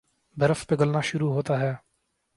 برف پگھلنا شروع ہوتا ہے